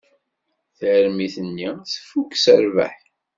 Tarmit-nni tfuk s rrbeḥ.